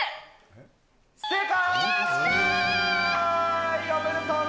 正解。